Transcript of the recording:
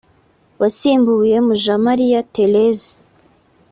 wasimbuye Mujawamariya Therése